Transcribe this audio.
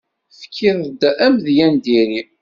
Tefkiḍ-d amedya n diri.